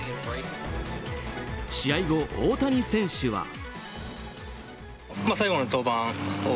試合後、大谷選手は。